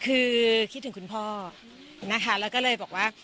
คือคิดถึงคุณพ่อนะคะแล้วก็เลยบอกว่า